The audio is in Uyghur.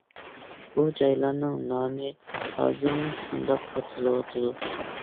بۇ جايلارنىڭ نامى ھازىرمۇ شۇنداق ئاتىلىۋاتىدۇ.